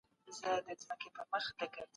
د خلکو ږغ بايد په سياست کي خاموشه نسي.